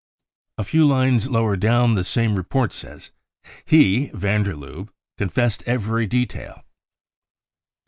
A few lines lower down the same report says :|" He (van der Lubbe) confessed every detail."